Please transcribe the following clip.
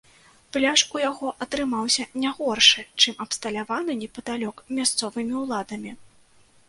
Пляж у яго атрымаўся не горшы, чым абсталяваны непадалёк мясцовымі ўладамі.